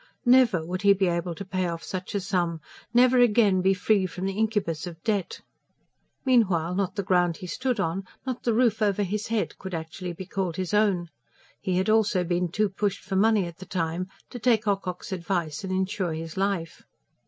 Never would he be able to pay off such a sum, never again be free from the incubus of debt. Meanwhile, not the ground he stood on, not the roof over his head could actually be called his own. He had also been too pushed for money, at the time, to take Ocock's advice and insure his life.